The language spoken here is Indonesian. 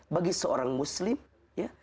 bagi seorang muslim ya